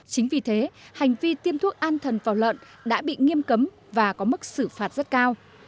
chính vì thế hành vi tiêm thuốc an thần vào lợn đã bị nghiêm cấm và có mức xử phạt rất cao